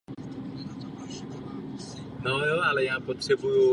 Ve snowboardingu je také mistryní světa z paralelního a obřího paralelního slalomu.